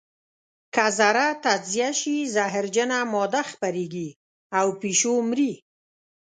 که ذره تجزیه شي زهرجنه ماده خپرېږي او پیشو مري.